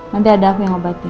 nanti ada aku yang ngobatin